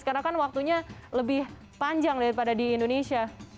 karena kan waktunya lebih panjang daripada di indonesia